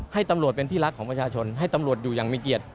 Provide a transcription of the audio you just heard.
ให้ตำรวจเป็นที่รักของประชาชนให้ตำรวจอยู่อย่างมีเกียรติ